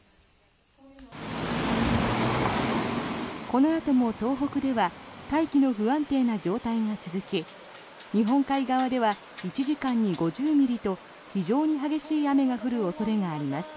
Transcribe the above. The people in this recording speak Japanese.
このあとも東北では大気の不安定な状態が続き日本海側では１時間に５０ミリと非常に激しい雨が降る恐れがあります。